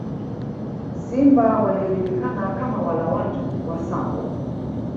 Simba waliojulikana kama wala watu wa Tsavo